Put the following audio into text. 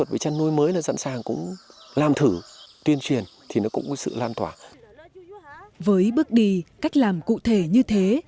với bước đi cách làm cụ thể như thế